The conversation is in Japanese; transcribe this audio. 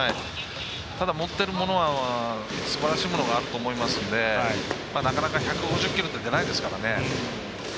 ただ、持っているものはすばらしいものがあると思いますのでなかなか１５０キロって出ないですからね。